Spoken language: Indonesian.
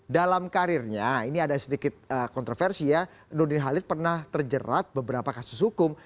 dalam karirnya ini ada sedikit kontroversi ya nurdin halid pernah terjerat beberapa kasus hukum